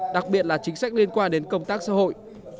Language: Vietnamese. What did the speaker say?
đặc biệt là chính sách liên quan đến công tác xã hội